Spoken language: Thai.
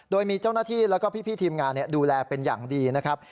โดยมีเจ้าหน้าที่แล้วก็พี่ทีมงานดูแลเป็นอย่างดีนะครับ